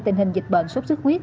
tình hình dịch bệnh sốt sức huyết